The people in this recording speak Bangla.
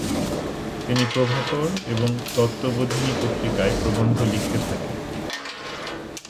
তিনি প্রভাকর এবং তত্ত্ববোধিনী পত্রিকায় প্রবন্ধ লিখতে থাকেন ।